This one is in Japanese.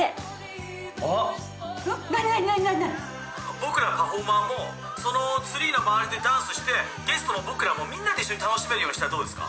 僕らパフォーマーもそのツリーの周りでダンスしてゲストも僕らもみんなで一緒に楽しめるようにしたらどうですか？